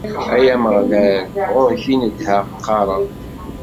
Ay Ameɣlal, ɣur-k i nedheɣ, qqareɣ.